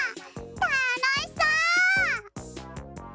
たのしそう！